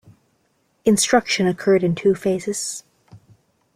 Instruction occurred in two phases.